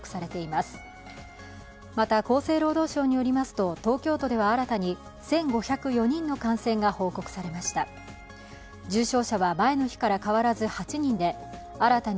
また、厚生労働省によりますと東京都では新たに１５０４人の感染が報告されました。